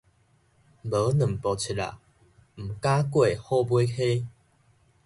無兩步七仔，毋敢過虎尾溪